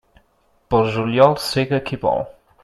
Pel juliol sega qui vol.